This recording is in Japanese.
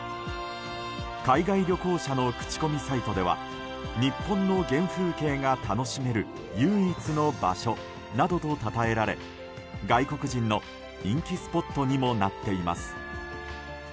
海外旅行者の口コミサイトでは日本の原風景が楽しめる唯一の場所などとたたえられ外国人の人気スポットにもなっています。